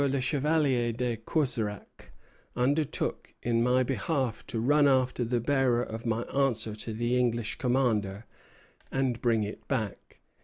le Chevalier de Courserac undertook in my behalf to run after the bearer of my answer to the English commander and bring it back."